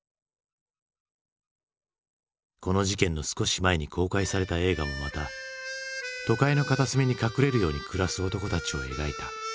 この事件の少し前に公開された映画もまた都会の片隅に隠れるように暮らす男たちを描いた。